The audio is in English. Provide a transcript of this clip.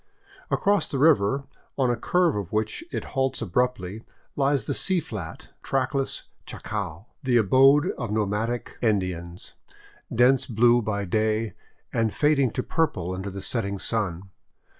Across the river, on a curve of which it halts abruptly, lies the sea flat, trackless chaco, the abode of nomadic 6oi VAGABONDING DOWN THE ANDES Indians, dense blue by day, and fading to purple under the setting sun.